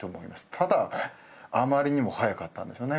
ただあまりにも早かったんでしょうね